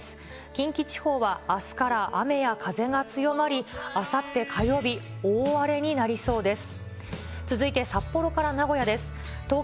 近畿地方はあすから雨や風が強まり、あさって火曜日、大荒れになりそうです。